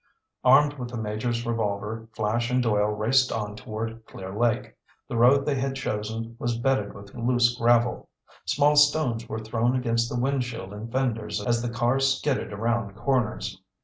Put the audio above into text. Armed with the Major's revolver, Flash and Doyle raced on toward Clear Lake. The road they had chosen was bedded with loose gravel. Small stones were thrown against the windshield and fenders as the car skidded around corners.